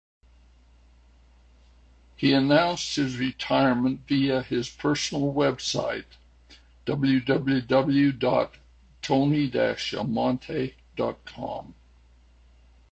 He announced his retirement via his personal website, www dot tony-amonte dot com.